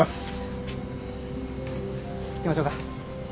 じゃあ行きましょうか。